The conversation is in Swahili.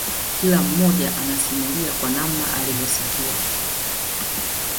Kila mmoja anasimulia kwa namna alivyosikia